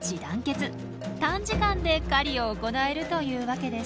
短時間で狩りを行えるというわけです。